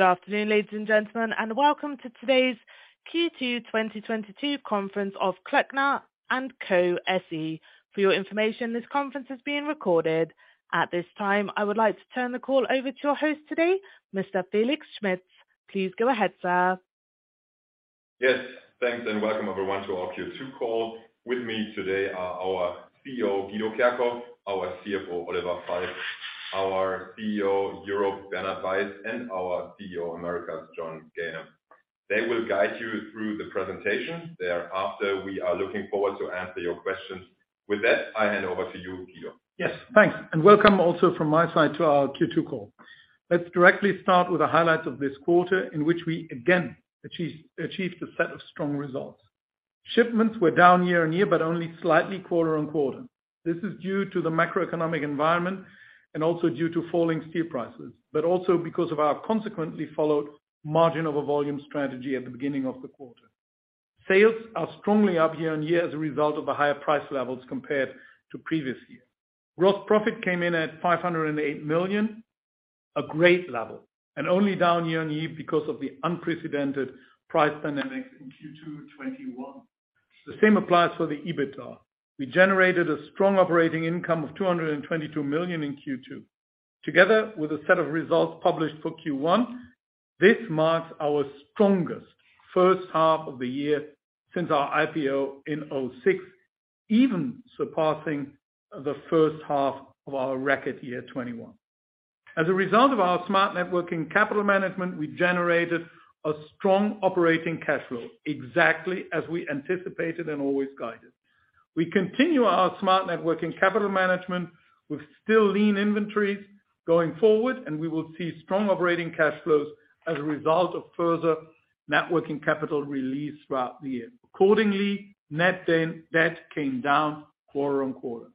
Good afternoon, ladies and gentlemen, and welcome to today's Q2 2022 conference of Klöckner & Co SE. For your information, this conference is being recorded. At this time, I would like to turn the call over to your host today, Mr. Felix Schmitz. Please go ahead, sir. Yes, thanks and welcome everyone to our Q2 call. With me today are our CEO, Guido Kerkhoff, our CFO, Oliver Falk, our CEO, Europe, Bernhard Weiß, and our CEO, Americas, John Ganem. They will guide you through the presentation. Thereafter, we are looking forward to answer your questions. With that, I hand over to you, Guido. Yes, thanks. Welcome also from my side to our Q2 call. Let's directly start with the highlights of this quarter, in which we again achieved a set of strong results. Shipments were down year-over-year, but only slightly quarter-over-quarter. This is due to the macroeconomic environment and also due to falling steel prices. But also because of our consequently followed margin-over-volume strategy at the beginning of the quarter. Sales are strongly up year-over-year as a result of the higher price levels compared to previous year. Gross profit came in at 508 million, a great level, and only down year-over-year because of the unprecedented price dynamics in Q2 2021. The same applies for the EBITDA. We generated a strong operating income of 222 million in Q2. Together with a set of results published for Q1, this marks our strongest first half of the year since our IPO in 2006, even surpassing the first half of our record year, 2021. As a result of our smart net working capital management, we generated a strong operating cash flow, exactly as we anticipated and always guided. We continue our smart net working capital management with still lean inventories going forward, and we will see strong operating cash flows as a result of further net working capital release throughout the year. Accordingly, net debt came down quarter-over-quarter.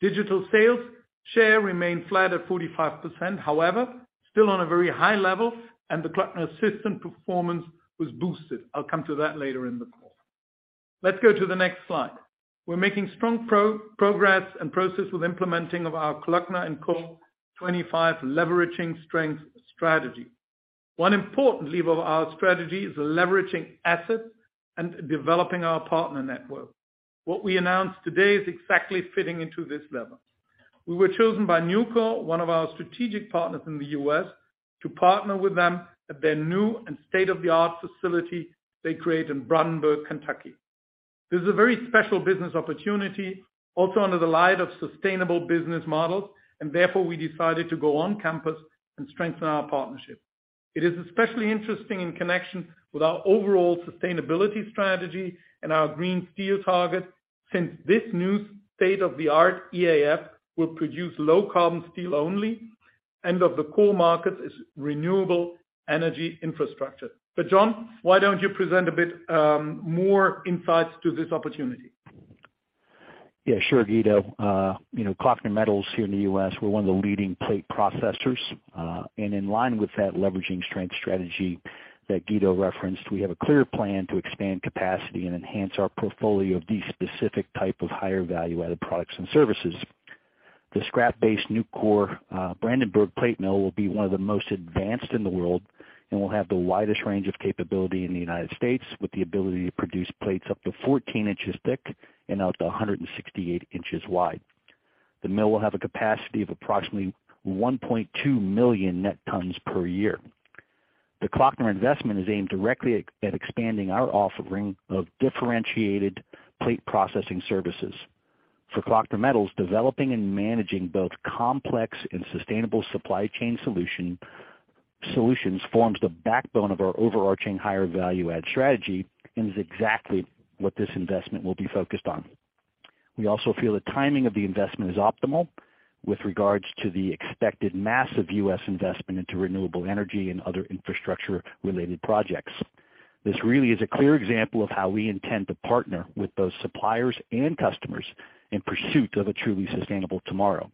Digital sales share remained flat at 45%, however, still on a very high level, and the Kloeckner Assistant performance was boosted. I'll come to that later in the call. Let's go to the next slide. We're making strong progress in processing with implementing of our Klöckner & Co. 2025 Leveraging Strengths strategy. One important lever of our strategy is leveraging assets and developing our partner network. What we announced today is exactly fitting into this lever. We were chosen by Nucor, one of our strategic partners in the US, to partner with them at their new and state-of-the-art facility they create in Brandenburg, Kentucky. This is a very special business opportunity also under the light of sustainable business models, and therefore we decided to go on campus and strengthen our partnership. It is especially interesting in connection with our overall sustainability strategy and our green steel target since this new state-of-the-art EAF will produce low carbon steel only, and of the core market is renewable energy infrastructure. John, why don't you present a bit, more insights to this opportunity? Yeah, sure, Guido. You know Kloeckner Metals here in the U.S., we're one of the leading plate processors. In line with that leveraging strength strategy that Guido referenced, we have a clear plan to expand capacity and enhance our portfolio of these specific type of higher value added products and services. The scrap-based Nucor Brandenburg plate mill will be one of the most advanced in the world and will have the widest range of capability in the United States with the ability to produce plates up to 14 inches thick and out to 168 inches wide. The mill will have a capacity of approximately 1.2 million net tons per year. The Klöckner investment is aimed directly at expanding our offering of differentiated plate processing services. For Kloeckner Metals, developing and managing both complex and sustainable supply chain solutions forms the backbone of our overarching higher value add strategy and is exactly what this investment will be focused on. We also feel the timing of the investment is optimal with regards to the expected massive U.S. investment into renewable energy and other infrastructure related projects. This really is a clear example of how we intend to partner with both suppliers and customers in pursuit of a truly sustainable tomorrow.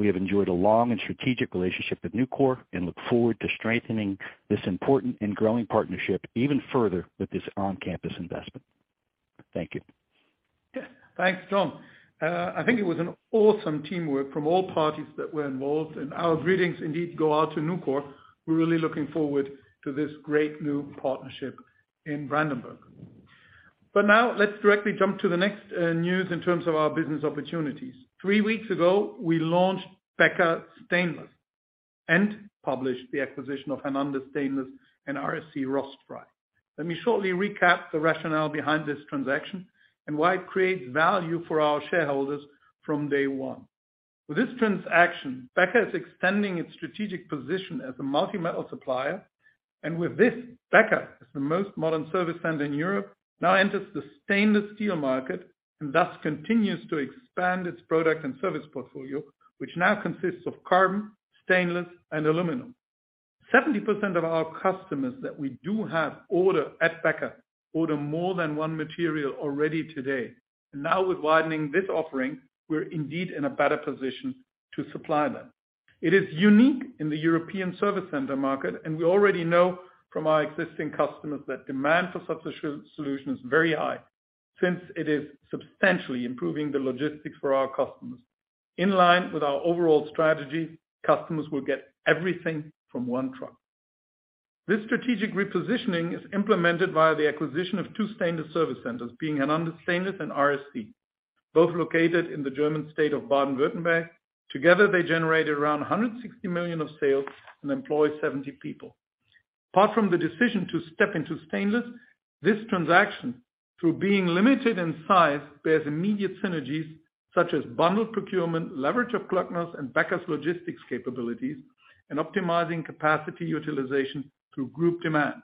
We have enjoyed a long and strategic relationship with Nucor and look forward to strengthening this important and growing partnership even further with this on-campus investment. Thank you. Yeah. Thanks, John. I think it was an awesome teamwork from all parties that were involved, and our greetings indeed go out to Nucor. We're really looking forward to this great new partnership in Brandenburg. Now let's directly jump to the next news in terms of our business opportunities. Three weeks ago, we launched Becker Stainless and published the acquisition of Hernandez Stainless and RSC Rostfrei. Let me shortly recap the rationale behind this transaction and why it creates value for our shareholders from day one. With this transaction, Becker is extending its strategic position as a multi-metal supplier. With this, Becker is the most modern service center in Europe, now enters the stainless steel market and thus continues to expand its product and service portfolio, which now consists of carbon, stainless, and aluminum. 70% of our customers that we do have order at Becker order more than one material already today. Now with widening this offering, we're indeed in a better position to supply them. It is unique in the European service center market, and we already know from our existing customers that demand for such a solution is very high. Since it is substantially improving the logistics for our customers. In line with our overall strategy, customers will get everything from one truck. This strategic repositioning is implemented via the acquisition of two stainless service centers, being Hernandez Stainless and RSC, both located in the German state of Baden-Württemberg. Together, they generate around 160 million of sales and employ 70 people. Apart from the decision to step into stainless, this transaction, through being limited in size, bears immediate synergies such as bundled procurement, leverage of Klöckner's and Becker's logistics capabilities, and optimizing capacity utilization through group demand.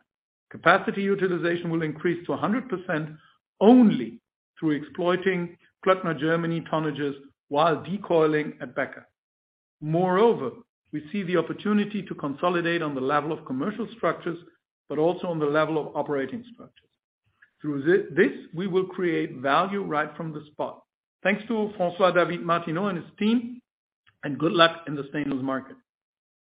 Capacity utilization will increase to 100% only through exploiting Klöckner Germany tonnages while decoiling at Becker. Moreover, we see the opportunity to consolidate on the level of commercial structures, but also on the level of operating structures. Through this, we will create value right from the spot. Thanks to François-David Martineau and his team, and good luck in the stainless market.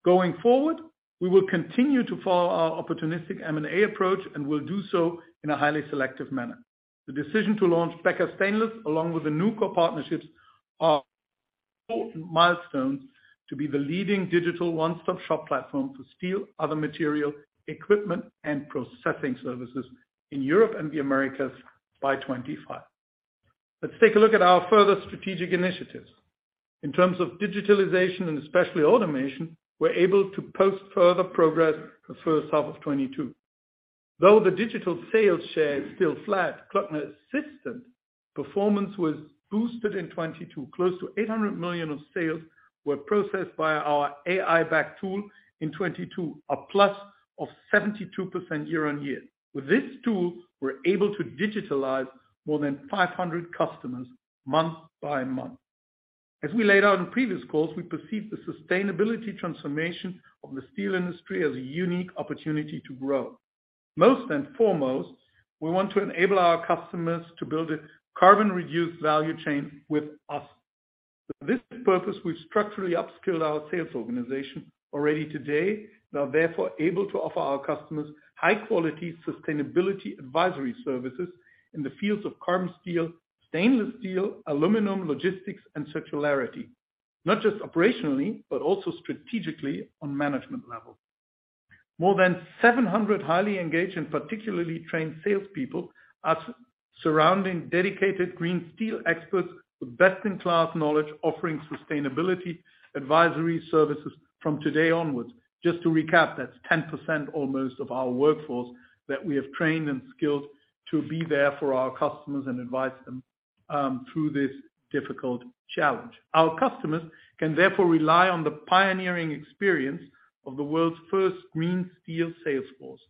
Going forward, we will continue to follow our opportunistic M&A approach, and we'll do so in a highly selective manner. The decision to launch Becker Stainless, along with the Nucor partnerships, are important milestones to be the leading digital one-stop-shop platform for steel, other material, equipment, and processing services in Europe and the Americas by 2025. Let's take a look at our further strategic initiatives. In terms of digitalization, and especially automation, we're able to post further progress the first half of 2022. Though the digital sales share is still flat, Klöckner's system performance was boosted in 2022. Close to 800 million of sales were processed by our AI-backed tool in 2022, a plus of 72% year-over-year. With this tool, we're able to digitalize more than 500 customers month by month. As we laid out in previous calls, we perceive the sustainability transformation of the steel industry as a unique opportunity to grow. Most and foremost, we want to enable our customers to build a carbon reduced value chain with us. For this purpose, we've structurally upskilled our sales organization already today. We are therefore able to offer our customers high quality sustainability advisory services in the fields of carbon steel, stainless steel, aluminum, logistics, and circularity. Not just operationally, but also strategically on management level. More than 700 highly engaged and particularly trained salespeople are surrounding dedicated green steel experts with best in class knowledge, offering sustainability advisory services from today onwards. Just to recap, that's 10% almost of our workforce that we have trained and skilled to be there for our customers and advise them through this difficult challenge. Our customers can therefore rely on the pioneering experience of the world's first green steel sales force.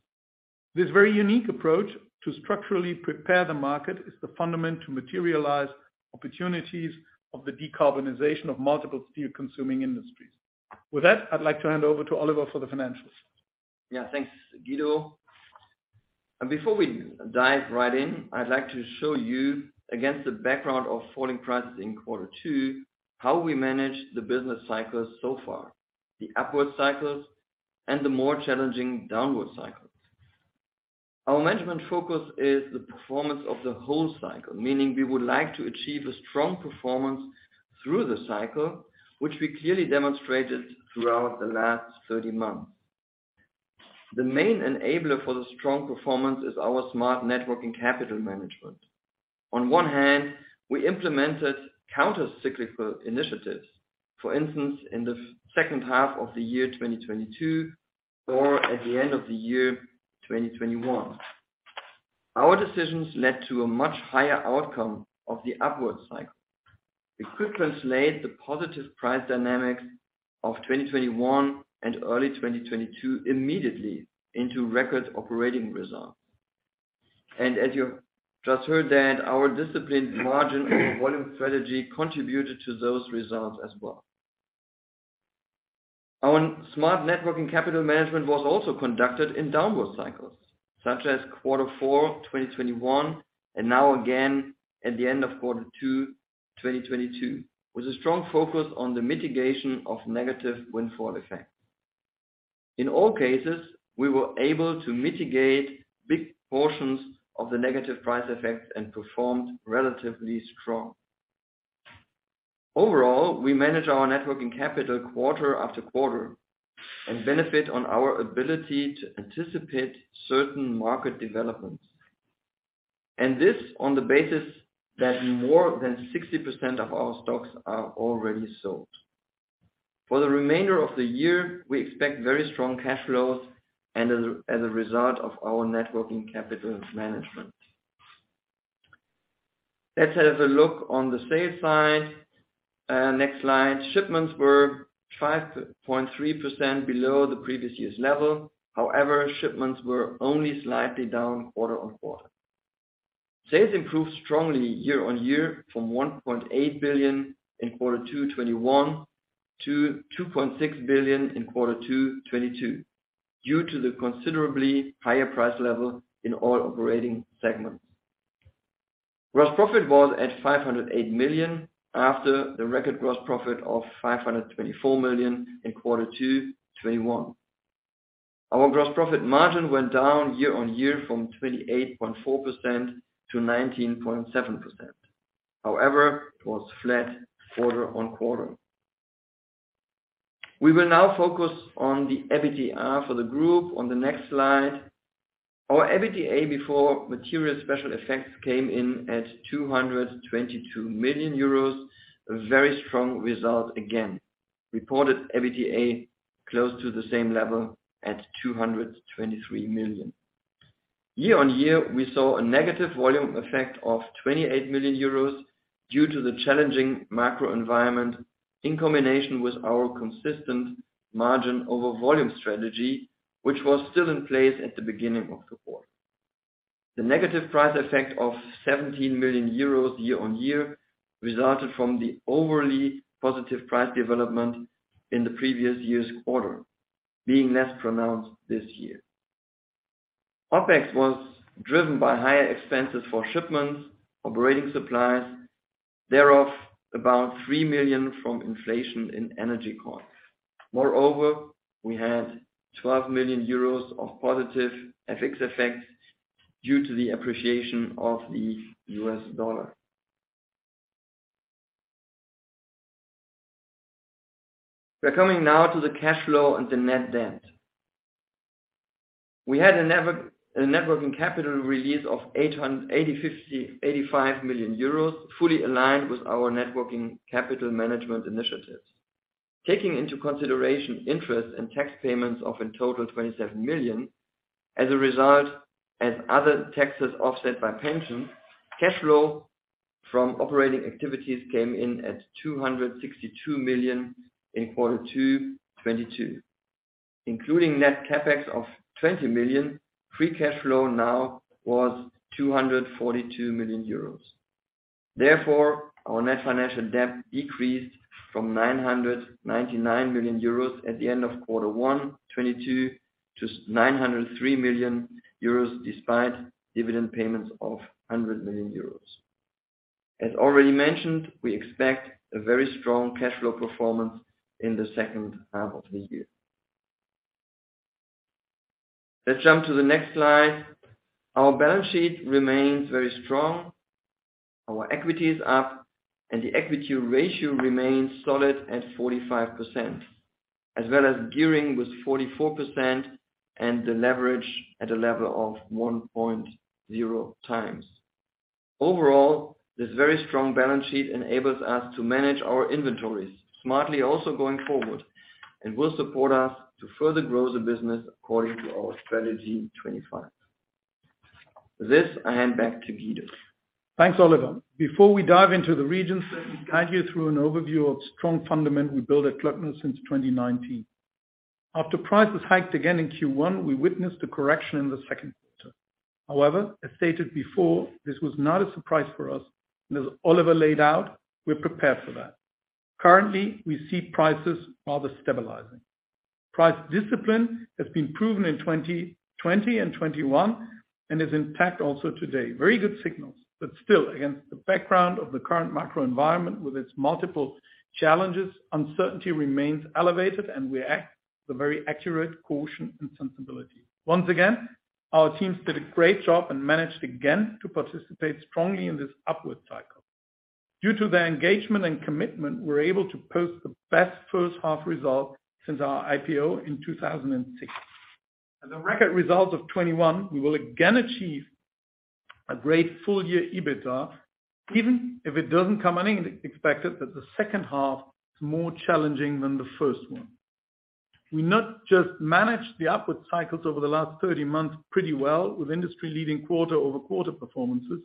This very unique approach to structurally prepare the market is the fundament to materialize opportunities of the decarbonization of multiple steel consuming industries. With that, I'd like to hand over to Oliver for the financials. Yeah, thanks, Guido. Before we dive right in, I'd like to show you, against the background of falling prices in quarter two, how we manage the business cycles so far, the upward cycles and the more challenging downward cycles. Our management focus is the performance of the whole cycle, meaning we would like to achieve a strong performance through the cycle, which we clearly demonstrated throughout the last 30 months. The main enabler for the strong performance is our smart net working capital management. On one hand, we implemented counter-cyclical initiatives. For instance, in the second half of the year 2022, or at the end of the year 2021. Our decisions led to a much higher outcome of the upward cycle. We could translate the positive price dynamics of 2021 and early 2022 immediately into record operating results. As you just heard there, our disciplined margin over volume strategy contributed to those results as well. Our smart net working capital management was also conducted in downward cycles, such as quarter four, 2021, and now again at the end of quarter two, 2022, with a strong focus on the mitigation of negative windfall effects. In all cases, we were able to mitigate big portions of the negative price effects and performed relatively strong. Overall, we manage our net working capital quarter after quarter and benefit on our ability to anticipate certain market developments. This on the basis that more than 60% of our stocks are already sold. For the remainder of the year, we expect very strong cash flows as a result of our net working capital management. Let's have a look on the sales side. Next slide. Shipments were 5.3% below the previous year's level. However, shipments were only slightly down quarter-on-quarter. Sales improved strongly year-on-year from 1.8 billion in quarter two, 2021 to 2.6 billion in quarter two, 2022, due to the considerably higher price level in all operating segments. Gross profit was at 508 million after the record gross profit of 524 million in quarter two, 2021. Our gross profit margin went down year-on-year from 28.4% to 19.7%. However, it was flat quarter-on-quarter. We will now focus on the EBITDA for the group on the next slide. Our EBITDA before material special effects came in at 222 million euros. A very strong result again. Reported EBITDA close to the same level at 223 million. Year-over-year, we saw a negative volume effect of 28 million euros due to the challenging macro environment in combination with our consistent margin over volume strategy, which was still in place at the beginning of the quarter. The negative price effect of 17 million euros year-over-year resulted from the overly positive price development in the previous year's quarter, being less pronounced this year. OpEx was driven by higher expenses for shipments, operating supplies, thereof, about 3 million from inflation in energy costs. Moreover, we had 12 million euros of positive FX effects due to the appreciation of the US dollar. We are coming now to the cash flow and the net debt. We had a net working capital release of 85 million euros, fully aligned with our net working capital management initiatives. Taking into consideration interest and tax payments of in total 27 million as a result, and other taxes offset by pension, cash flow from operating activities came in at 262 million in quarter two 2022. Including net CapEx of 20 million, free cash flow now was 242 million euros. Therefore, our net financial debt decreased from 999 million euros at the end of quarter one 2022 to nine hundred and three million Euros, despite dividend payments of 100 million euros. As already mentioned, we expect a very strong cash flow performance in the second half of the year. Let's jump to the next slide. Our balance sheet remains very strong. Our equity is up, and the equity ratio remains solid at 45% as well as gearing with 44%, and the leverage at a level of 1.0x. Overall, this very strong balance sheet enables us to manage our inventories smartly, also going forward, and will support us to further grow the business according to our Strategy 2025. With this, I hand back to Guido. Thanks, Oliver. Before we dive into the regions, let me guide you through an overview of the strong foundation we built at Klöckner since 2019. After prices hiked again in Q1, we witnessed a correction in the second quarter. However, as stated before, this was not a surprise for us, and as Oliver laid out, we're prepared for that. Currently, we see prices rather stabilizing. Price discipline has been proven in 2020 and 2021 and is intact also today. Very good signals. Still, against the background of the current macro environment with its multiple challenges, uncertainty remains elevated, and we act with very accurate caution and sensibility. Once again, our teams did a great job and managed again to participate strongly in this upward cycle. Due to their engagement and commitment, we're able to post the best first half result since our IPO in 2006. As a record result of 2021, we will again achieve a great full year EBITDA, even if it isn't unexpected that the second half is more challenging than the first one. We not only managed the upward cycles over the last 30 months pretty well with industry-leading quarter-over-quarter performances.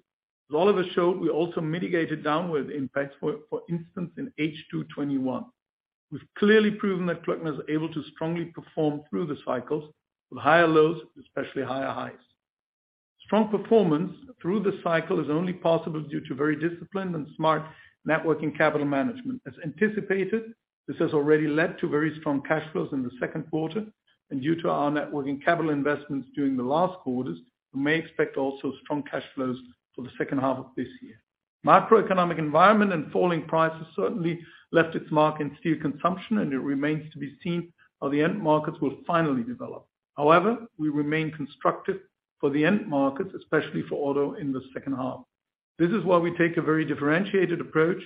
As Oliver showed, we also mitigated downward impact, for instance, in H2 2021. We've clearly proven that Klöckner is able to strongly perform through the cycles with higher lows, especially higher highs. Strong performance through the cycle is only possible due to very disciplined and smart net working capital management. As anticipated, this has already led to very strong cash flows in the second quarter, and due to our net working capital investments during the last quarters, we may expect also strong cash flows for the second half of this year. Macroeconomic environment and falling prices certainly left its mark in steel consumption, and it remains to be seen how the end markets will finally develop. However, we remain constructive for the end markets, especially for auto in the second half. This is why we take a very differentiated approach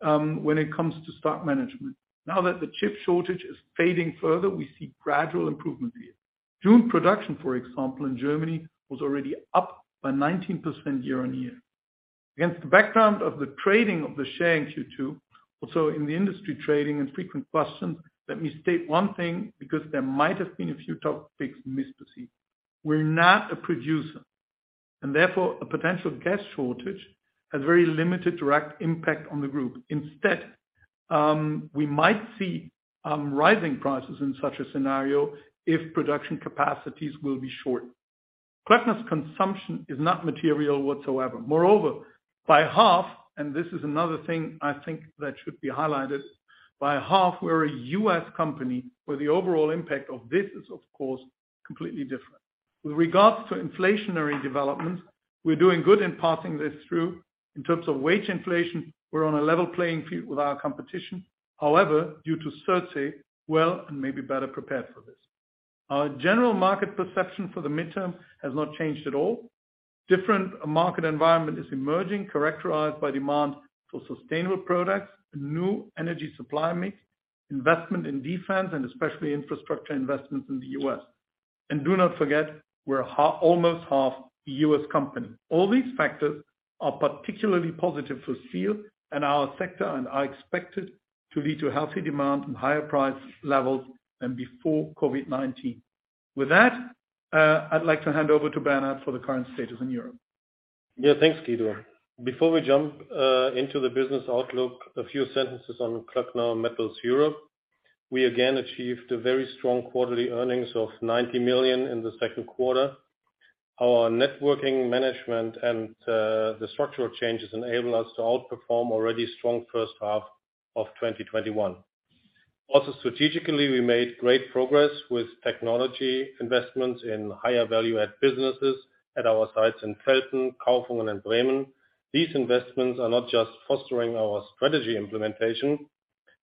when it comes to stock management. Now that the chip shortage is fading further, we see gradual improvement here. June production, for example, in Germany, was already up by 19% year-over-year. Against the background of the trading of the share in Q2, also in the industry trading and frequent questions, let me state one thing because there might have been a few topics missed to see. We're not a producer, and therefore, a potential gas shortage has very limited direct impact on the group. Instead, we might see rising prices in such a scenario if production capacities will be short. Klöckner's consumption is not material whatsoever. Moreover, by half, and this is another thing I think that should be highlighted, we're a U.S. company, where the overall impact of this is, of course, completely different. With regards to inflationary developments, we're doing good in passing this through. In terms of wage inflation, we're on a level playing field with our competition. However, due to Certate, well and may be better prepared for this. Our general market perception for the midterm has not changed at all. Different market environment is emerging, characterized by demand for sustainable products, new energy supply mix, investment in defense, and especially infrastructure investments in the U.S. Do not forget, we're almost half U.S. company. All these factors are particularly positive for steel and our sector, and are expected to lead to a healthy demand and higher price levels than before COVID-19. With that, I'd like to hand over to Bernhard for the current status in Europe. Yeah, thanks, Guido. Before we jump into the business outlook, a few sentences on Kloeckner Metals Europe. We again achieved a very strong quarterly earnings of 90 million in the second quarter. Our working capital management and the structural changes enable us to outperform already strong first half of 2021. Also strategically, we made great progress with technology investments in higher value add businesses at our sites in Velten, Kaufungen, and Bremen. These investments are not just fostering our strategy implementation,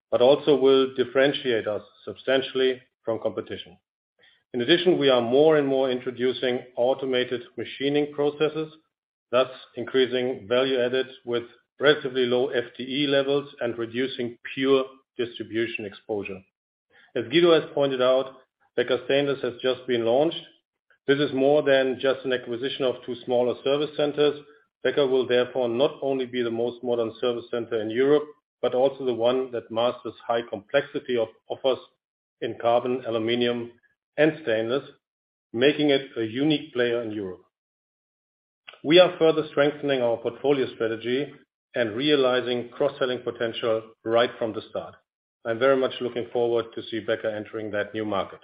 but also will differentiate us substantially from competition. In addition, we are more and more introducing automated machining processes, thus increasing value added with relatively low FTE levels and reducing pure distribution exposure. As Guido has pointed out, Becker Stainless has just been launched. This is more than just an acquisition of two smaller service centers. Becker will therefore not only be the most modern service center in Europe, but also the one that masters high complexity of offers in carbon, aluminum, and stainless, making it a unique player in Europe. We are further strengthening our portfolio strategy and realizing cross-selling potential right from the start. I'm very much looking forward to see Becker entering that new market.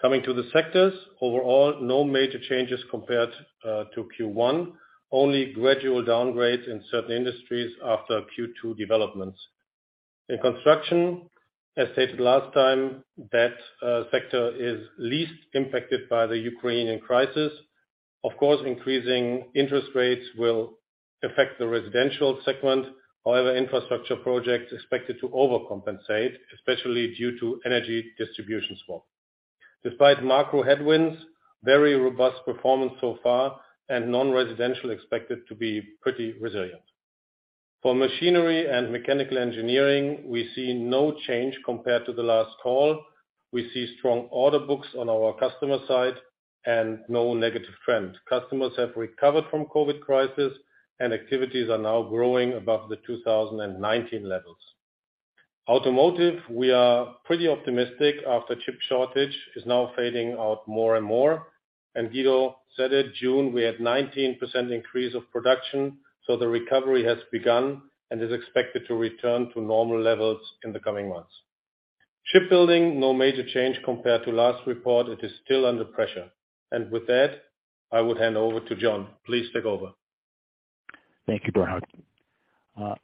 Coming to the sectors. Overall, no major changes compared to Q1. Only gradual downgrades in certain industries after Q2 developments. In construction, as stated last time, that sector is least impacted by the Ukrainian crisis. Of course, increasing interest rates will affect the residential segment. However, infrastructure projects expected to overcompensate, especially due to energy distribution swap. Despite macro headwinds, very robust performance so far, and non-residential expected to be pretty resilient. For machinery and mechanical engineering, we see no change compared to the last call. We see strong order books on our customer side and no negative trends. Customers have recovered from COVID crisis, and activities are now growing above the 2019 levels. Automotive, we are pretty optimistic after chip shortage is now fading out more and more. Guido said it, June, we had 19% increase of production, so the recovery has begun and is expected to return to normal levels in the coming months. Shipbuilding, no major change compared to last report. It is still under pressure. With that, I would hand over to John. Please take over. Thank you, Bernhard.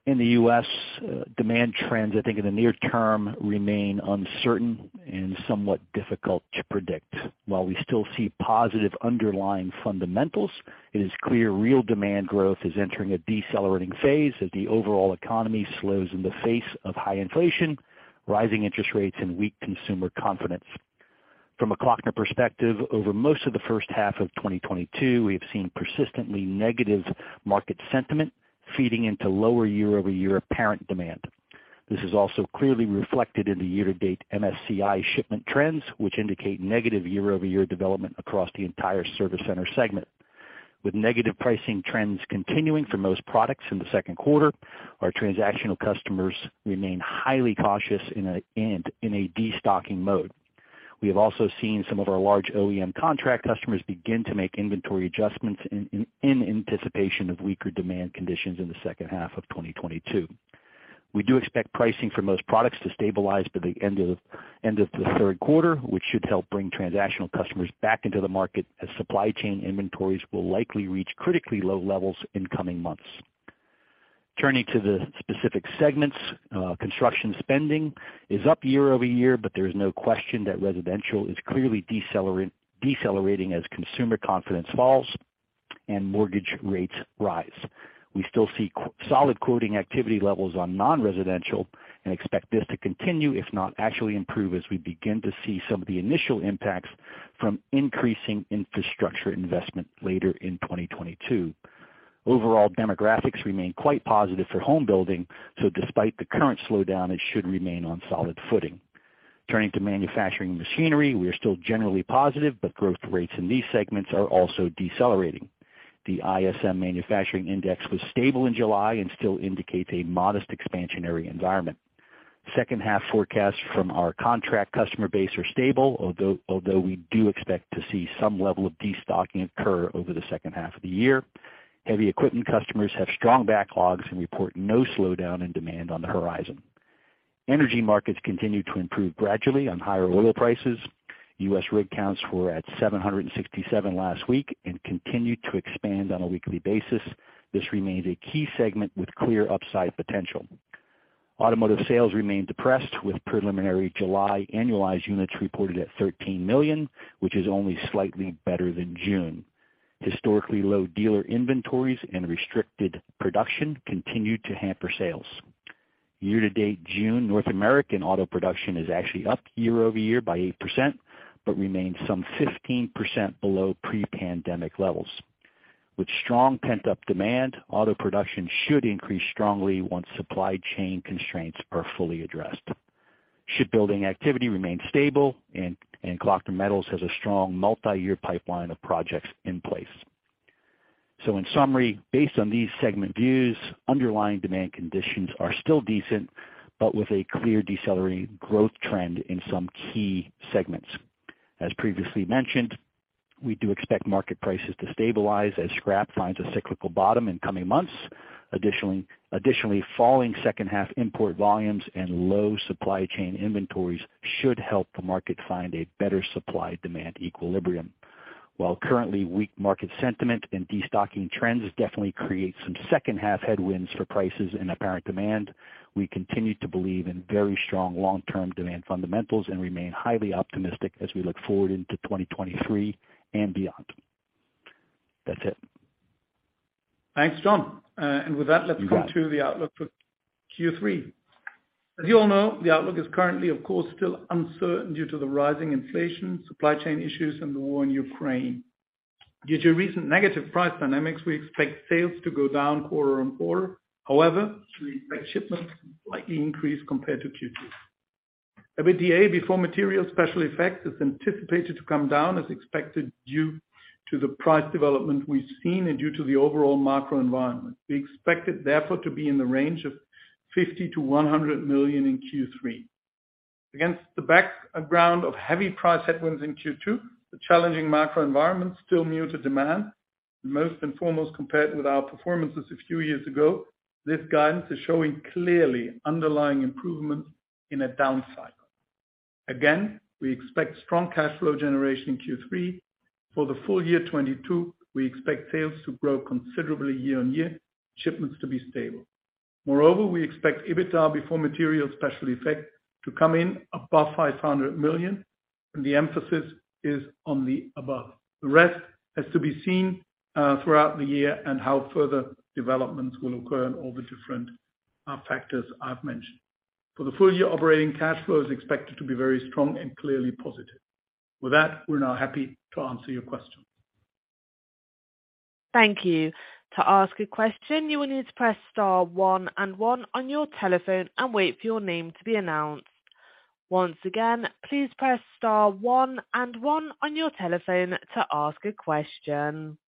In the US, demand trends I think in the near term remain uncertain and somewhat difficult to predict. While we still see positive underlying fundamentals, it is clear real demand growth is entering a decelerating phase as the overall economy slows in the face of high inflation, rising interest rates, and weak consumer confidence. From a Klöckner perspective, over most of the first half of 2022, we have seen persistently negative market sentiment feeding into lower year-over-year apparent demand. This is also clearly reflected in the year-to-date MSCI shipment trends, which indicate negative year-over-year development across the entire service center segment. With negative pricing trends continuing for most products in the second quarter, our transactional customers remain highly cautious and in a destocking mode. We have also seen some of our large OEM contract customers begin to make inventory adjustments in anticipation of weaker demand conditions in the second half of 2022. We do expect pricing for most products to stabilize by the end of the third quarter, which should help bring transactional customers back into the market as supply chain inventories will likely reach critically low levels in coming months. Turning to the specific segments, construction spending is up year-over-year, but there is no question that residential is clearly decelerating as consumer confidence falls and mortgage rates rise. We still see solid quoting activity levels on non-residential and expect this to continue, if not actually improve, as we begin to see some of the initial impacts from increasing infrastructure investment later in 2022. Overall demographics remain quite positive for home building, so despite the current slowdown, it should remain on solid footing. Turning to manufacturing machinery, we are still generally positive, but growth rates in these segments are also decelerating. The ISM Manufacturing Index was stable in July and still indicates a modest expansionary environment. Second half forecasts from our contract customer base are stable, although we do expect to see some level of destocking occur over the second half of the year. Heavy equipment customers have strong backlogs and report no slowdown in demand on the horizon. Energy markets continue to improve gradually on higher oil prices. U.S. rig counts were at 767 last week and continued to expand on a weekly basis. This remains a key segment with clear upside potential. Automotive sales remain depressed with preliminary July annualized units reported at 13 million, which is only slightly better than June. Historically low dealer inventories and restricted production continued to hamper sales. Year-to-date June North American auto production is actually up year-over-year by 8%, but remains some 15% below pre-pandemic levels. With strong pent-up demand, auto production should increase strongly once supply chain constraints are fully addressed. Shipbuilding activity remains stable and Kloeckner Metals has a strong multi-year pipeline of projects in place. In summary, based on these segment views, underlying demand conditions are still decent, but with a clear decelerating growth trend in some key segments. As previously mentioned, we do expect market prices to stabilize as scrap finds a cyclical bottom in coming months. Additionally, falling second half import volumes and low supply chain inventories should help the market find a better supply-demand equilibrium. While currently weak market sentiment and destocking trends definitely create some second half headwinds for prices and apparent demand, we continue to believe in very strong long-term demand fundamentals and remain highly optimistic as we look forward into 2023 and beyond. That's it. Thanks, John. With that, let's come to the outlook for Q3. As you all know, the outlook is currently, of course, still uncertain due to the rising inflation, supply chain issues and the war in Ukraine. Due to recent negative price dynamics, we expect sales to go down quarter-on-quarter. However, we expect shipments to slightly increase compared to Q2. EBITDA before material special effects is anticipated to come down as expected due to the price development we've seen and due to the overall macro environment. We expect it therefore to be in the range of 50-100 million in Q3. Against the background of heavy price headwinds in Q2, the challenging macro environment still muted demand. Most and foremost compared with our performances a few years ago, this guidance is showing clearly underlying improvements in a down cycle. Again, we expect strong cash flow generation in Q3. For the full year 2022, we expect sales to grow considerably year on year, shipments to be stable. Moreover, we expect EBITDA before material special effect to come in above 500 million, and the emphasis is on the above. The rest has to be seen throughout the year and how further developments will occur in all the different factors I've mentioned. For the full year, operating cash flow is expected to be very strong and clearly positive. With that, we're now happy to answer your questions. Thank you. To ask a question, you will need to press star one and one on your telephone and wait for your name to be announced. Once again, please press star one and one on your telephone to ask a question.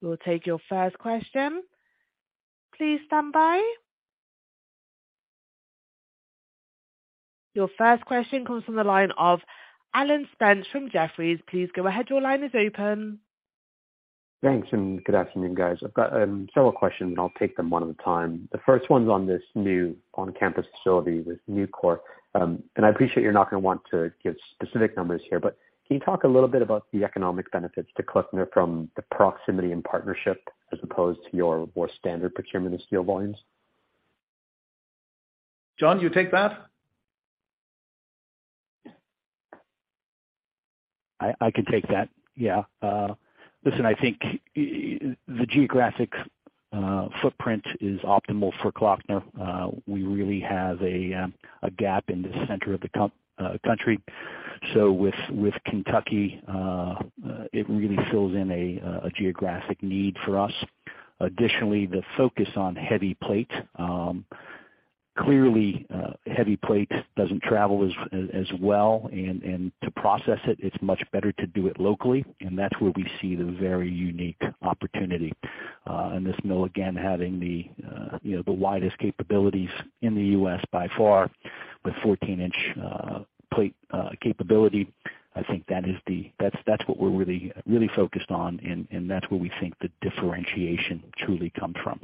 We'll take your first question. Please stand by. Your first question comes from the line of Alan Spence from Jefferies. Please go ahead. Your line is open. Thanks, good afternoon, guys. I've got several questions. I'll take them one at a time. The first one's on this new on-campus facility, this Nucor. I appreciate you're not gonna want to give specific numbers here, but can you talk a little bit about the economic benefits to Klöckner from the proximity and partnership as opposed to your more standard procurement of steel volumes? John, do you take that? I can take that. Yeah. Listen, I think the geographic footprint is optimal for Klöckner. We really have a gap in the center of the country. With Kentucky, it really fills in a geographic need for us. Additionally, the focus on heavy plate. Clearly, heavy plate doesn't travel as well, and to process it's much better to do it locally, and that's where we see the very unique opportunity. This mill, again, having the widest capabilities in the U.S. by far with 14-inch plate capability. I think that's what we're really focused on and that's where we think the differentiation truly comes from.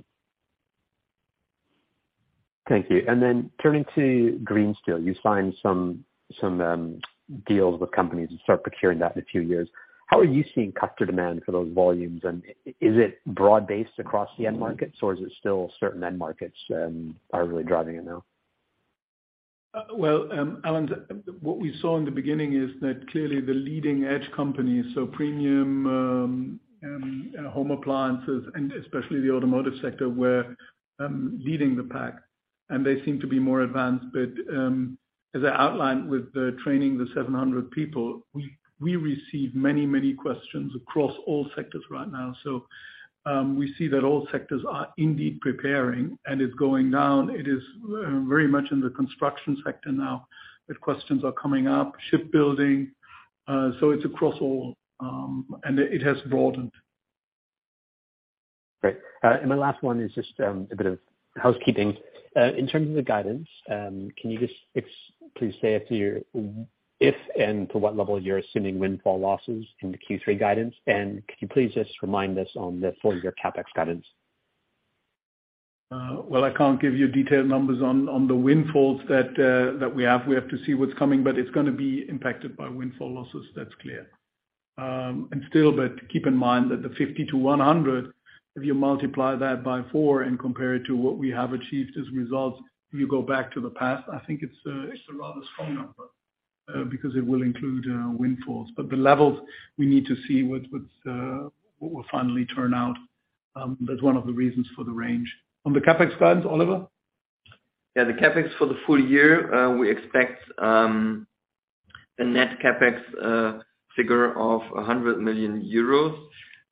Thank you. Turning to Green Steel, you signed some deals with companies to start procuring that in a few years. How are you seeing customer demand for those volumes, and is it broad-based across the end markets, or is it still certain end markets are really driving it now? Well, Alan, what we saw in the beginning is that clearly the leading edge companies, so premium home appliances and especially the automotive sector were leading the pack, and they seem to be more advanced. As I outlined with the training the 700 people, we receive many questions across all sectors right now. We see that all sectors are indeed preparing and it's going down. It is very much in the construction sector now that questions are coming up, shipbuilding. It's across all, and it has broadened. Great. My last one is just a bit of housekeeping. In terms of the guidance, can you just please say if and to what level you're assuming windfall losses in the Q3 guidance? Could you please just remind us on the full year CapEx guidance? Well, I can't give you detailed numbers on the windfalls that we have. We have to see what's coming, but it's gonna be impacted by windfall losses. That's clear. Keep in mind that the 50-100, if you multiply that by four and compare it to what we have achieved as results, if you go back to the past, I think it's a rather strong number, because it will include windfalls. The levels we need to see what will finally turn out, that's one of the reasons for the range. On the CapEx guidance, Oliver? Yeah, the CapEx for the full year, we expect a net CapEx figure of 100 million euros.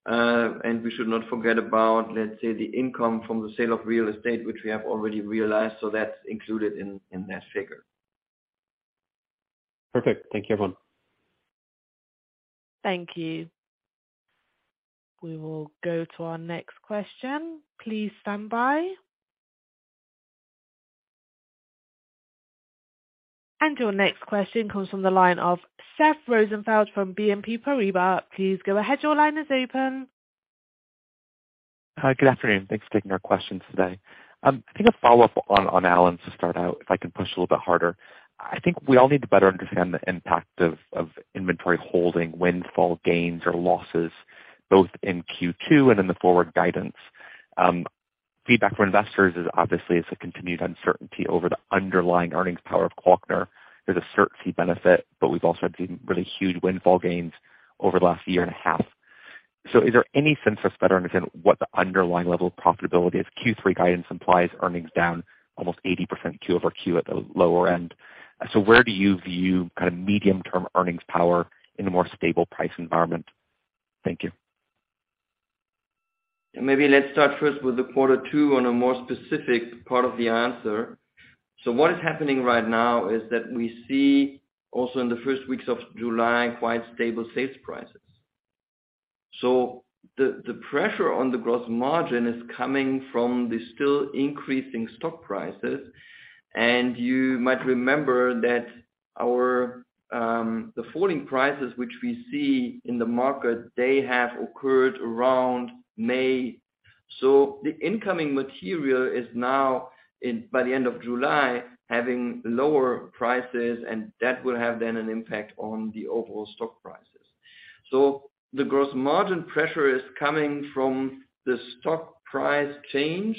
We should not forget about, let's say, the income from the sale of real estate, which we have already realized. That's included in that figure. Perfect. Thank you, everyone. Thank you. We will go to our next question. Please stand by. Your next question comes from the line of Seth Rosenfeld from BNP Paribas. Please go ahead. Your line is open. Hi, good afternoon. Thanks for taking our questions today. I think a follow-up on Alan's to start out, if I can push a little bit harder. I think we all need to better understand the impact of inventory holding windfall gains or losses, both in Q2 and in the forward guidance. Feedback from investors is obviously it's a continued uncertainty over the underlying earnings power of Klöckner. There's a FX benefit, but we've also had these really huge windfall gains over the last year and a half. Is there any sense of better understanding what the underlying level of profitability of Q3 guidance implies earnings down almost 80% Q-over-Q at the lower end? Where do you view kind of medium-term earnings power in a more stable price environment? Thank you. Maybe let's start first with the quarter two on a more specific part of the answer. What is happening right now is that we see also in the first weeks of July, quite stable sales prices. The pressure on the gross margin is coming from the still increasing stock prices. You might remember that our the falling prices, which we see in the market, they have occurred around May. The incoming material is now in by the end of July, having lower prices, and that will have then an impact on the overall stock prices. The gross margin pressure is coming from the stock price change,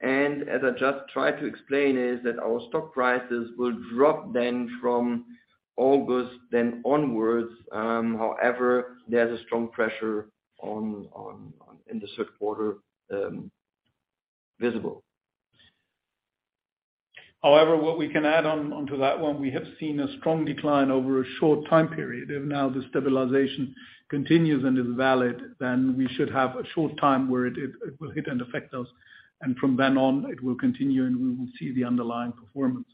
and as I just tried to explain, is that our stock prices will drop then from August onwards. However, there's a strong pressure on in the third quarter, visible. However, what we can add on to that one, we have seen a strong decline over a short time period. If now the stabilization continues and is valid, then we should have a short time where it will hit and affect us, and from then on, it will continue, and we will see the underlying performance.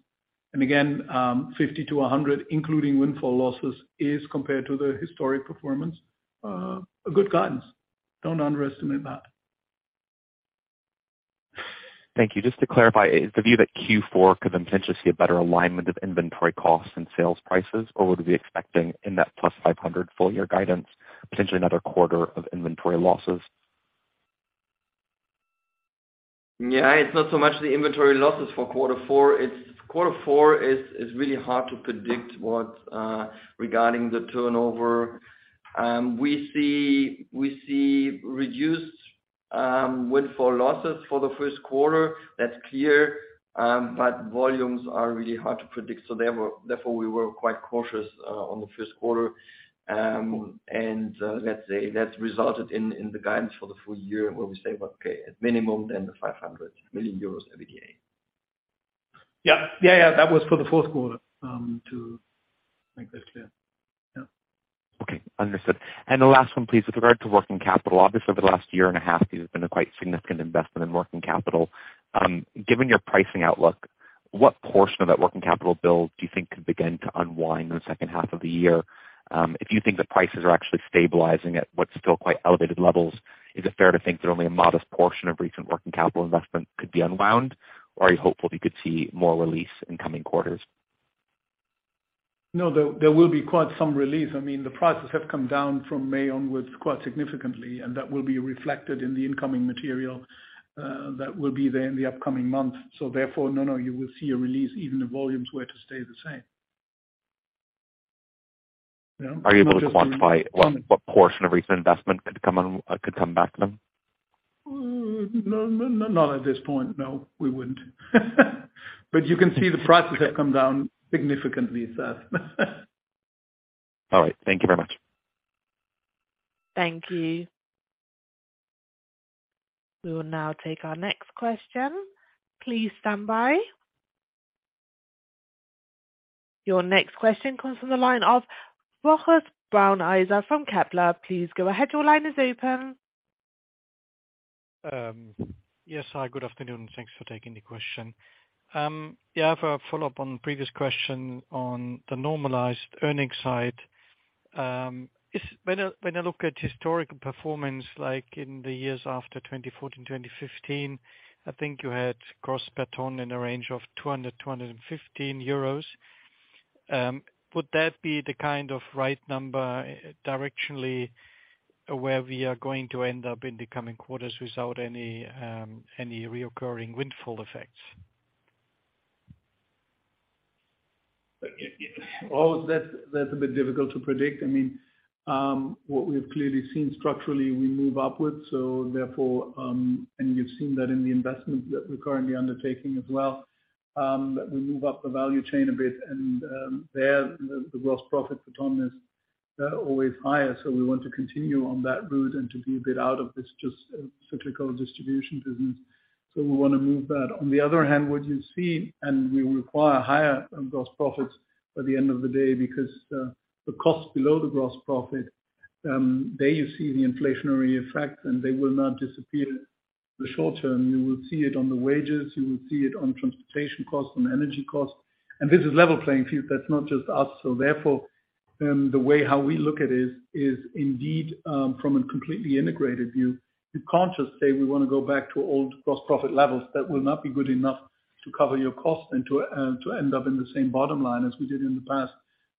Again, 50-100, including windfall losses, is compared to the historic performance, a good guidance. Don't underestimate that. Thank you. Just to clarify, is the view that Q4 could then potentially see a better alignment of inventory costs and sales prices? Or would we be expecting in that +500 full-year guidance, potentially another quarter of inventory losses? Yeah. It's not so much the inventory losses for quarter four. It's quarter four is really hard to predict what regarding the turnover. We see reduced windfall losses for the first quarter. That's clear. Volumes are really hard to predict, so therefore we were quite cautious on the first quarter. Let's say that's resulted in the guidance for the full year where we say, well, okay, at minimum then the 500 million euros EBITDA. Yeah. That was for the fourth quarter, to make that clear. Yeah. Okay. Understood. The last one, please. With regard to working capital, obviously over the last year and a half, there's been a quite significant investment in working capital. Given your pricing outlook, what portion of that working capital build do you think could begin to unwind in the second half of the year? If you think the prices are actually stabilizing at what's still quite elevated levels, is it fair to think that only a modest portion of recent working capital investment could be unwound, or are you hopeful you could see more release in coming quarters? No. There will be quite some relief. I mean, the prices have come down from May onwards quite significantly, and that will be reflected in the incoming material that will be there in the upcoming months. Therefore, no, you will see a release even if volumes were to stay the same. Yeah. Are you able to quantify what portion of recent investment could come back then? No, not at this point, no, we wouldn't. You can see the prices have come down significantly, Seth. All right. Thank you very much. Thank you. We will now take our next question. Please stand by. Your next question comes from the line of Rochus Brauneiser from Kepler. Please go ahead. Your line is open. Yes. Hi, good afternoon. Thanks for taking the question. Yeah, I have a follow-up on previous question on the normalized earnings side. When I look at historical performance, like in the years after 2014, 2015, I think you had gross per ton in a range of 200-215 euros. Would that be the kind of right number directionally where we are going to end up in the coming quarters without any recurring windfall effects? Oh, that's a bit difficult to predict. I mean, what we have clearly seen structurally, we move upwards, so therefore, and you've seen that in the investment that we're currently undertaking as well, that we move up the value chain a bit and, there the gross profit for ton is always higher. We want to continue on that route and to be a bit out of this just cyclical distribution business. We wanna move that. On the other hand, what you see, and we require higher gross profits by the end of the day because the cost below the gross profit, there you see the inflationary effect, and they will not disappear in the short term. You will see it on the wages, you will see it on transportation costs and energy costs. This is level playing field, that's not just us. The way how we look at it is indeed from a completely integrated view. You can't just say we wanna go back to old gross profit levels. That will not be good enough to cover your cost and to end up in the same bottom line as we did in the past.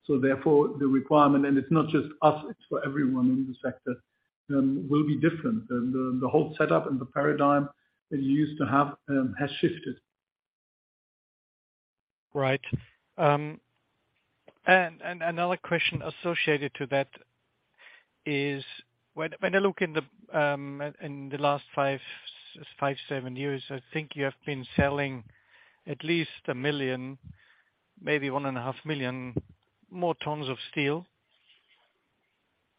The requirement, and it's not just us, it's for everyone in the sector, will be different. The whole setup and the paradigm that you used to have has shifted. Right. Another question associated to that is when I look in the last 5-7 years, I think you have been selling at least 1 million, maybe 1.5 million more tons of steel.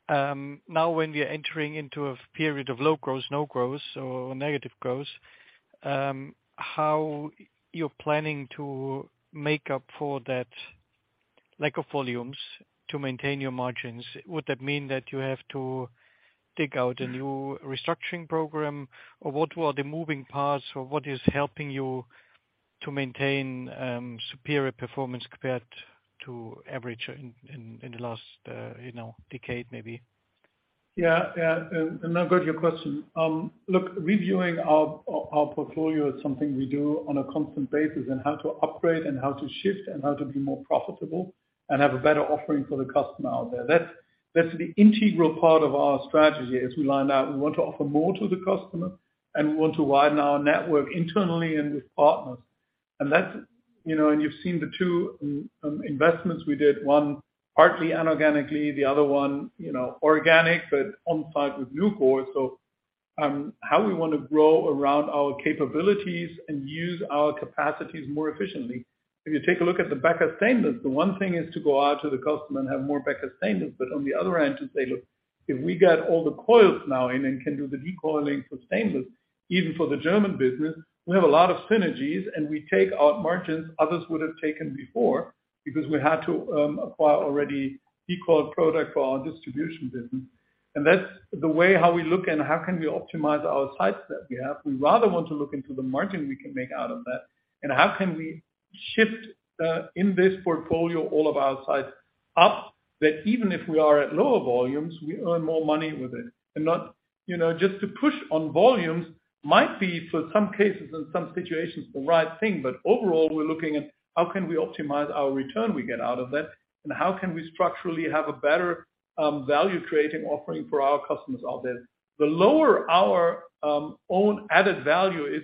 Now when we are entering into a period of low growth, no growth or negative growth, how you're planning to make up for that lack of volumes to maintain your margins? Would that mean that you have to dig out a new restructuring program? What were the moving parts or what is helping you to maintain superior performance compared to average in the last, you know, decade maybe? I've got your question. Look, reviewing our portfolio is something we do on a constant basis, and how to upgrade and how to shift and how to be more profitable and have a better offering for the customer out there. That's the integral part of our strategy. As we laid out, we want to offer more to the customer, and we want to widen our network internally and with partners. That's, you know, you've seen the two investments we did. One partly inorganically, the other one, you know, organic, but on site with Nucor. How we want to grow around our capabilities and use our capacities more efficiently. If you take a look at the Becker Stainless, the one thing is to go out to the customer and have more Becker Stainless. On the other end, to say, "Look, if we get all the coils now in and can do the recoiling for stainless, even for the German business, we have a lot of synergies, and we take out margins others would have taken before because we had to acquire already recoiled product for our distribution business." That's the way how we look and how can we optimize our sites that we have. We rather want to look into the margin we can make out of that, and how can we shift in this portfolio all of our sites up, that even if we are at lower volumes, we earn more money with it. Not, you know, just to push on volumes might be for some cases and some situations the right thing. Overall, we're looking at how can we optimize our return we get out of that, and how can we structurally have a better, value creating offering for our customers out there. The lower our own added value is,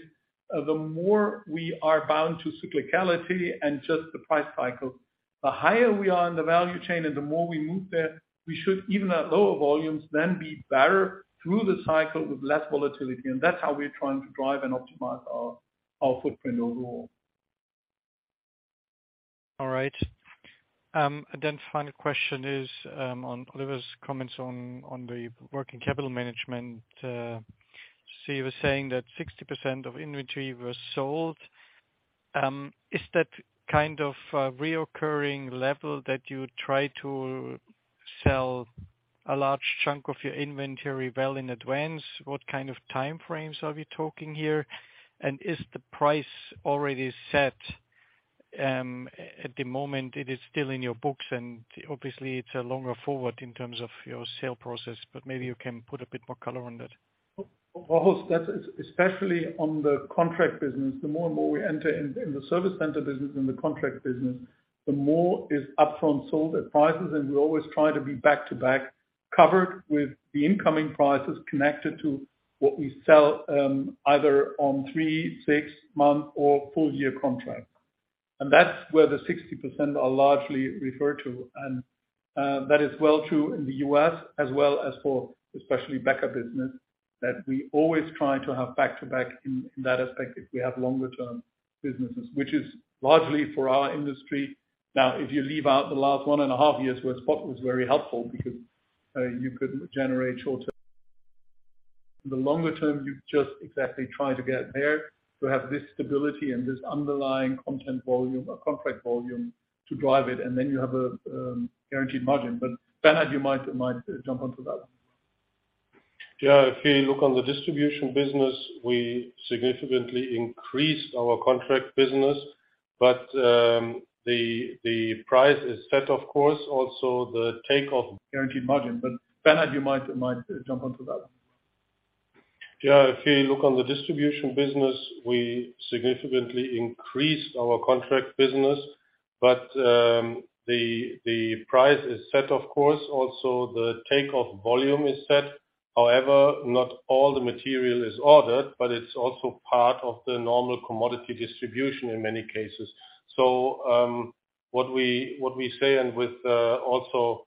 the more we are bound to cyclicality and just the price cycle. The higher we are in the value chain and the more we move there, we should even at lower volumes then be better through the cycle with less volatility. That's how we're trying to drive and optimize our footprint overall. All right. And then final question is on Oliver's comments on the working capital management. So you were saying that 60% of inventory was sold. Is that kind of a reoccurring level that you try to sell a large chunk of your inventory well in advance? What kind of time frames are we talking here? And is the price already set at the moment? It is still in your books, and obviously it's a longer forward in terms of your sale process, but maybe you can put a bit more color on that. Well, that's especially on the contract business. The more and more we enter in the service center business, in the contract business, the more is upfront sold at prices. We always try to be back-to-back covered with the incoming prices connected to what we sell, either on 3, 6-month or full-year contract. That's where the 60% are largely referred to. That is well true in the U.S. as well as for especially Becker business, that we always try to have back-to-back in that aspect if we have longer-term businesses, which is largely for our industry. Now, if you leave out the last 1.5 years where spot was very helpful because you could generate short-term. The longer term, you just exactly try to get there to have this stability and this underlying content volume or contract volume to drive it. Then you have a guaranteed margin. Bernhard, you might jump onto that one. Yeah. If we look on the distribution business, we significantly increased our contract business. The price is set, of course, also the take of- Guaranteed margin. Bernhard, you might jump onto that. Yeah. If we look on the distribution business, we significantly increased our contract business. The price is set, of course. Also, the take of volume is set. However, not all the material is ordered, but it's also part of the normal commodity distribution in many cases. What we say and with also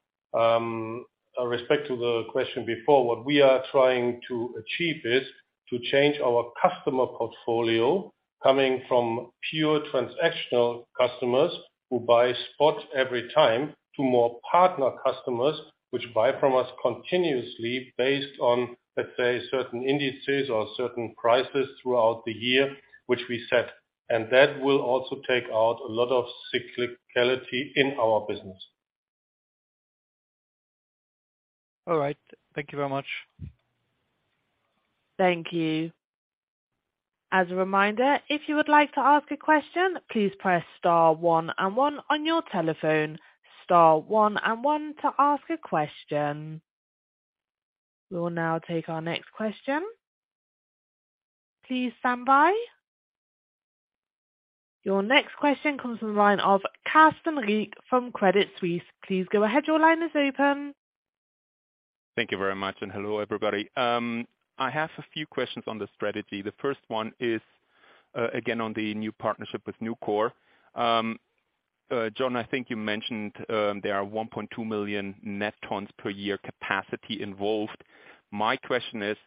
respect to the question before, what we are trying to achieve is to change our customer portfolio coming from pure transactional customers who buy spot every time to more partner customers which buy from us continuously based on, let's say, certain indices or certain prices throughout the year which we set. That will also take out a lot of cyclicality in our business. All right. Thank you very much. Thank you. As a reminder, if you would like to ask a question, please press star one one on your telephone. Star one one to ask a question. We will now take our next question. Please stand by. Your next question comes from the line of Carsten Riek from Credit Suisse. Please go ahead. Your line is open. Thank you very much and hello, everybody. I have a few questions on the strategy. The first one is, again, on the new partnership with Nucor. John, I think you mentioned, there are 1.2 million net tons per year capacity involved. My question is,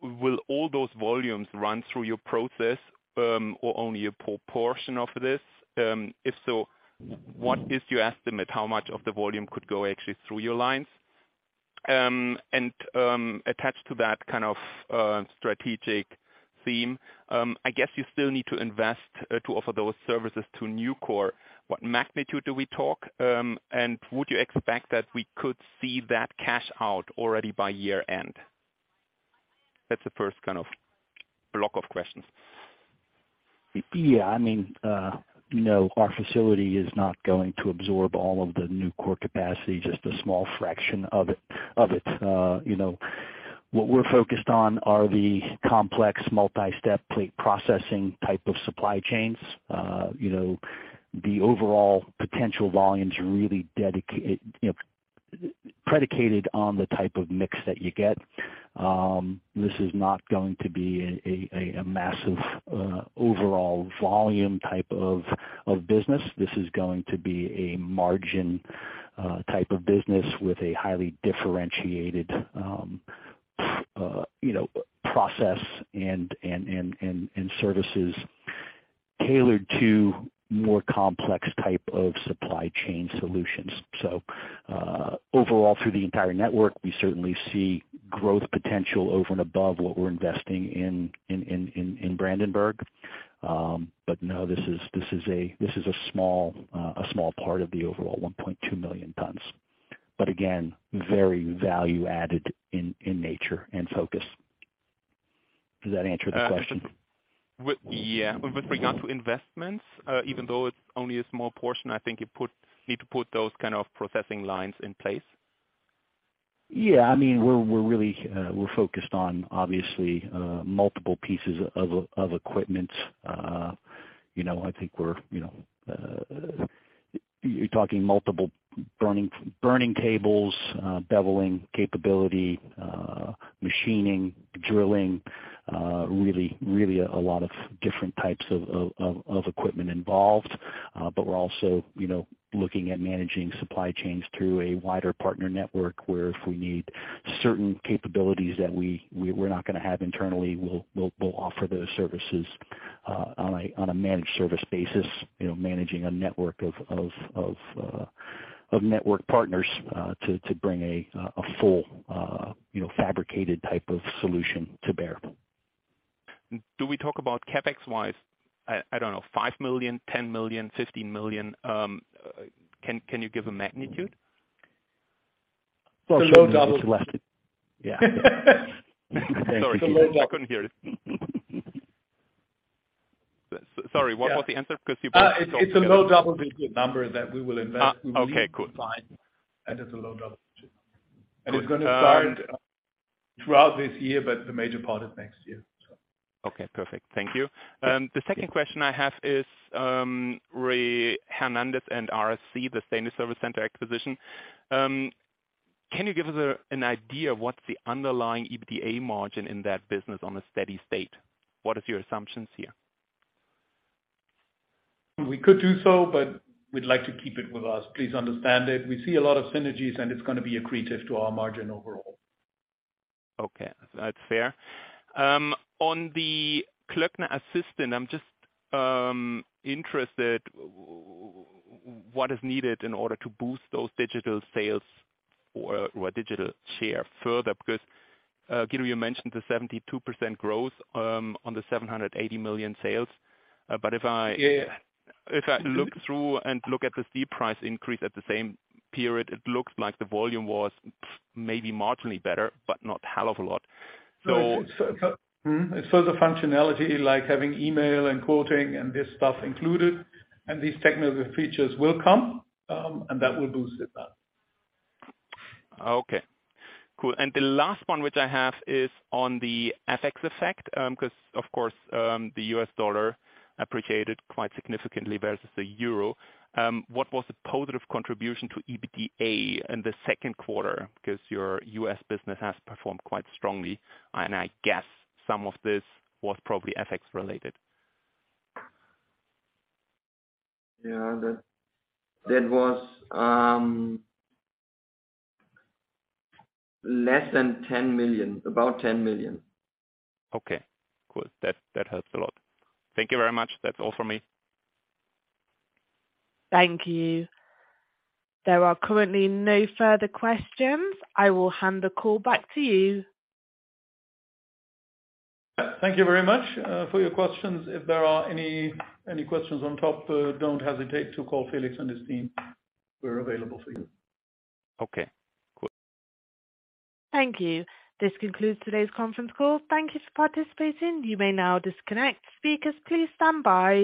will all those volumes run through your process, or only a proportion of this? If so, what is your estimate? How much of the volume could go actually through your lines? Attached to that kind of strategic theme, I guess you still need to invest, to offer those services to Nucor. What magnitude do we talk? Would you expect that we could see that cash out already by year end? That's the first kind of block of questions. Yeah. I mean, you know, our facility is not going to absorb all of the Nucor capacity, just a small fraction of it. You know, what we're focused on are the complex multi-step plate processing type of supply chains. You know, the overall potential volumes are predicated on the type of mix that you get. This is not going to be a massive overall volume type of business. This is going to be a margin type of business with a highly differentiated process and services tailored to more complex type of supply chain solutions. Overall through the entire network, we certainly see growth potential over and above what we're investing in Brandenburg. This is a small part of the overall 1.2 million tons. Again, very value added in nature and focus. Does that answer the question? Yeah. With regard to investments, even though it's only a small portion, I think you need to put those kind of processing lines in place. Yeah. I mean, we're really focused on obviously multiple pieces of equipment. You know, I think we're, you know, you're talking multiple burning tables, beveling capability, machining, drilling, really a lot of different types of equipment involved. We're also, you know, looking at managing supply chains through a wider partner network where if we need certain capabilities that we're not gonna have internally, we'll offer those services on a managed service basis. You know, managing a network of network partners to bring a full, you know, fabricated type of solution to bear. Do we talk about CapEx-wise, I don't know, 5 million, 10 million, 15 million? Can you give a magnitude? It's a low double. Yeah. Sorry. I couldn't hear it. Sorry, what was the answer? It's a low double-digit number that we will invest. Okay, cool. It's a low double-digit. It's gonna start throughout this year, but the major part is next year. Okay, perfect. Thank you. The second question I have is, re Hernandez and RSC, the stainless service center acquisition. Can you give us an idea of what's the underlying EBITDA margin in that business on a steady state? What is your assumptions here? We could do so, but we'd like to keep it with us. Please understand it. We see a lot of synergies, and it's gonna be accretive to our margin overall. Okay. That's fair. On the Klöckner Assistant, I'm just interested what is needed in order to boost those digital sales or digital share further because, Guido, you mentioned the 72% growth on the 780 million sales. But if I. Yeah. If I look through and look at the steep price increase at the same period, it looks like the volume was maybe marginally better, but not hell of a lot. It's further functionality like having email and quoting and this stuff included, and these technical features will come, and that will boost it up. Okay. Cool. The last one which I have is on the FX effect, because of course, the US dollar appreciated quite significantly versus the euro. What was the positive contribution to EBITDA in the second quarter? Because your US business has performed quite strongly, and I guess some of this was probably FX related. Yeah. That was less than 10 million, about 10 million. Okay. Cool. That helps a lot. Thank you very much. That's all for me. Thank you. There are currently no further questions. I will hand the call back to you. Thank you very much for your questions. If there are any questions on top, don't hesitate to call Felix and his team. We're available for you. Okay. Cool. Thank you. This concludes today's conference call. Thank you for participating. You may now disconnect. Speakers, please standby.